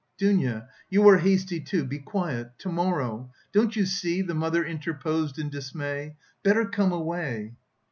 "Dounia, you are hasty, too, be quiet, to morrow... Don't you see..." the mother interposed in dismay. "Better come away!"